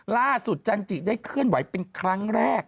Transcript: ล่าสุดจันทรีย์ได้เคลื่อนไหวเป็นครั้งแรก